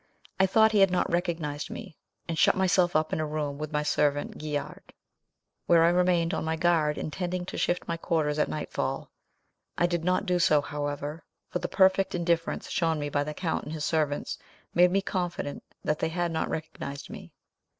I thought he had not recognised me, and shut myself up in a room with my servant Guillart, where I remained on my guard, intending to shift my quarters at nightfall. I did not do so, however, for the perfect indifference shown by the count and his servants made me confident that they had not recognised me.